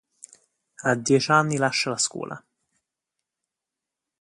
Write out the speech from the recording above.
A dieci anni lascia la scuola.